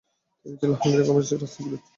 তিনি ছিলেন Hungarian communist রাজনীতিবিদ।